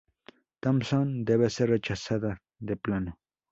Thompson, debe ser rechazada de plano.